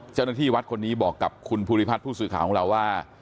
เจ้าหน้าที่วัดคนนี้บอกกับคุณภูริพัฒน์ผู้สื่อข่าวของเราว่า